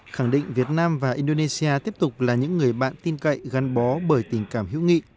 khẳng định việt nam và indonesia tiếp tục là những người bạn tin cậy gắn bó bởi tình cảm hữu nghị